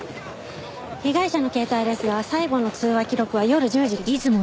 被害者の携帯ですが最後の通話記録は夜１０時でした。